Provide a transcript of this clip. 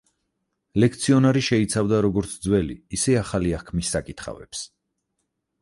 ლექციონარი შეიცავდა როგორც ძველი, ისე ახალი აღთქმის საკითხავებს.